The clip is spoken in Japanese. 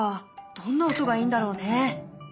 どんな音がいいんだろうね。